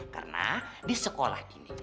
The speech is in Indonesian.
karena di sekolah ini